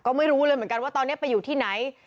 ก็ไม่รู้เลยเหมือนกันว่าตอนนี้ไปอยู่ที่ไหน